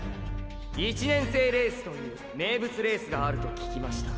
１年生レースという名物レースがあると聞きました。